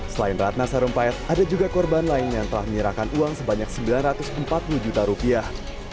selain ratna sarumpayat ada juga korban lain yang telah menyerahkan uang sebanyak sembilan ratus empat puluh juta rupiah